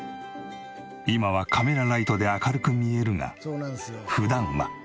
今はカメラライトで明るく見えるが普段は。